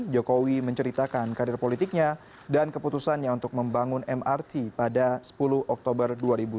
jokowi menceritakan karir politiknya dan keputusannya untuk membangun mrt pada sepuluh oktober dua ribu dua puluh